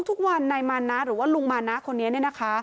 ทุกวันนายมานะหรือว่าลุงมานะคนนี้เนี่ยนะคะ